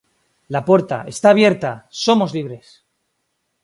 La puerta. ¡ está abierta! ¡ somos libres!